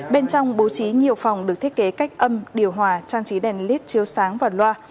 bên trong bố trí nhiều phòng được thiết kế cách âm điều hòa trang trí đèn led chiếu sáng và loa